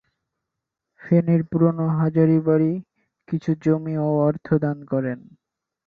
ফেনীর পুরনো হাজারী বাড়ী কিছু জমি ও অর্থ দান করেন।